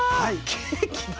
ケーキだ。